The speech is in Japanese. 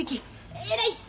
偉い！